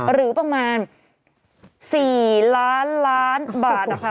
หรือประมาณ๔ล้านล้านบาทนะคะ